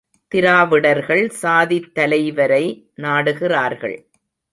திராவிடர்கள் சாதித் தலைவரை நாடுகிறார்கள்!